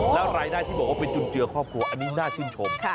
แล้วรายได้ที่บอกว่าเป็นจุนเจือครอบครัวอันนี้น่าชื่นชม